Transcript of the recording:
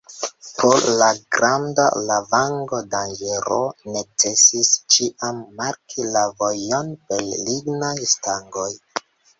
Pro la granda lavango-danĝero necesis ĉiam marki la vojon per lignaj stangoj.